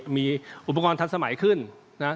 มีอุปกรณ์ทันสมัยขึ้นนะ